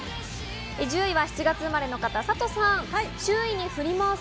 １０位は７月生まれの方、サトさん。